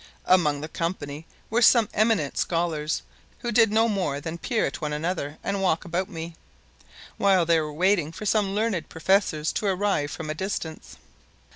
Among the company were some eminent scholars who did no more than peer at one another and walk about me, while they were waiting for some learned professors to arrive from a distance.